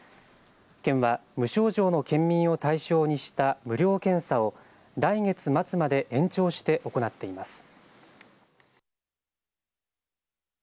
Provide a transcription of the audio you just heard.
県は無症状の県民を対象にした無料検査を来月末まで延長して行っています。